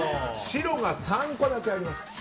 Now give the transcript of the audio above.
白が３個だけあります。